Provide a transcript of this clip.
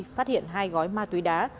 phát hiện hai gói ma túy đá